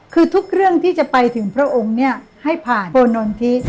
คือทุกเรื่องที่จะไปถึงพระองค์เนี่ยให้ผ่านโบนนทิ